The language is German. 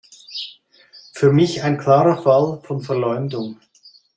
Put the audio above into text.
Für mich ein klarer Fall von Verleumdung.